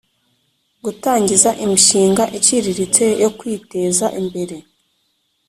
gutangiza imishinga iciriritse yo kwiteza imbere